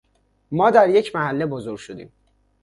ما در یک محله بزرگ شدیم